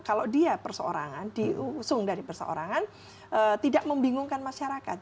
kalau dia berseorangan diusung dari berseorangan tidak membingungkan masyarakat